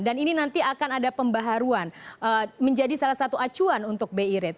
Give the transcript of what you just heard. dan ini nanti akan ada pembaharuan menjadi salah satu acuan untuk bi rate